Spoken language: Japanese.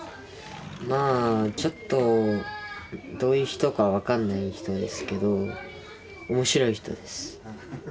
まあちょっとどういう人か分かんない人ですけど面白い人です。